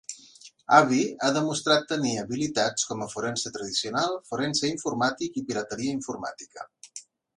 Abby ha demostrat tenir habilitats com a forense tradicional, forense informàtic i pirateria informàtica.